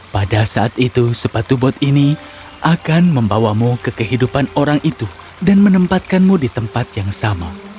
pada saat itu sepatu bot ini akan membawamu ke kehidupan orang itu dan menempatkanmu di tempat yang sama